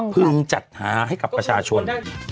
จัดหาให้กับประชาชน